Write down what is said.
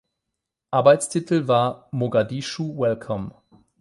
Arbeitstitel war "Mogadischu Welcome".